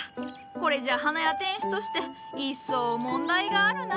これじゃ花屋店主として一層問題があるな。